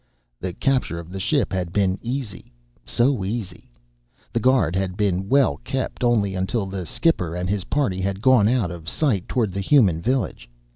The capture of the ship had been easy, so easy. The guard had been well kept only until the skipper and his party had gone out of sight toward the human village.